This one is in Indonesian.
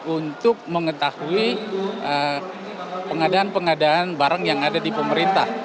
untuk mengetahui pengadaan pengadaan barang yang ada di pemerintah